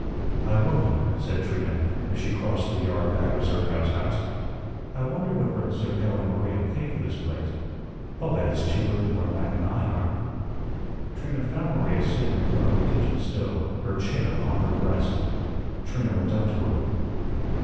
"I wonder," said Trina, as she crossed the yard back of Zerkow's house, "I wonder what rent Zerkow and Maria pay for this place. I'll bet it's cheaper than where Mac and I are." Trina found Maria sitting in front of the kitchen stove, her chin upon her breast. Trina went up to her.